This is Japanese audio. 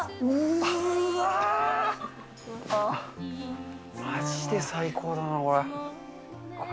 まじで最高だな、これ。